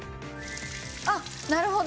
あっなるほど。